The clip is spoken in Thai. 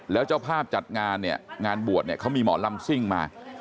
แล้วเจ้าภาพจัดงานเนี่ยงานบวชเนี่ยเขามีหมอลำซิ่งมา